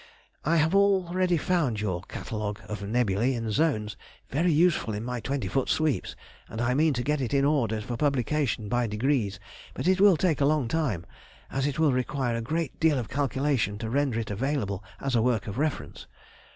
I have already found your Catalogue of Nebulæ in zones, very useful in my twenty foot sweeps, and I mean to get it in order for publication by degrees; but it will take a long time, as it will require a great deal of calculation to render it available as a work of reference.